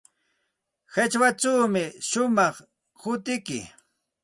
Qichwachawmi shumaq hutiyki.